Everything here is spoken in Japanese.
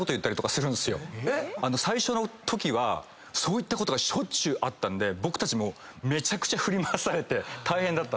最初そういったことがしょっちゅうあったんで僕たちめちゃくちゃ振り回されて大変だったんです。